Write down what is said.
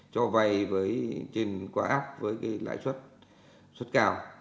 cho vai với trên qua app với cái lãi suất cao